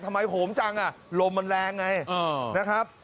ทำไมโหม่มจังอ่ะลมมันแรงไงนะครับ